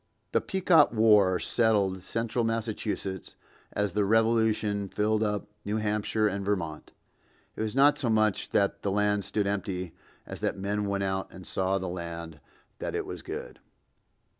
The Pequot war settled central Massachusetts as the Revolution filled up New Hampshire and Vermont. It was not so much that the land stood empty as that men went out and saw the land, that it was good.